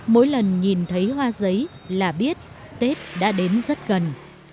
mỗi lần nhìn thấy hoa giấy là biết tết đã đến rất gần